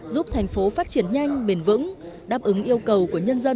giúp thành phố phát triển nhanh bền vững đáp ứng yêu cầu của nhân dân